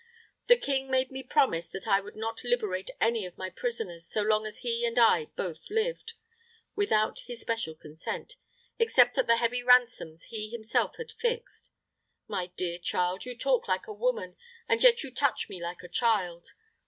"The king made me promise that I would not liberate any of my prisoners, so long as he and I both lived, without his special consent, except at the heavy ransoms he himself had fixed. My dear child, you talk like a woman, and yet you touch me like a child.